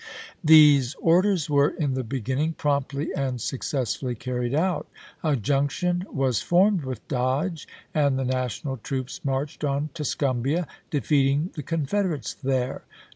These orders were, in the beginning, promptly and successfully earned out. A junction was formed with Dodge, and the National troops marched on Tuscumbia, defeating the Confeder ates there.